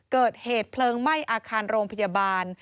เกิดเหตุเพลิงไหม้อาคารโรงพยาบาล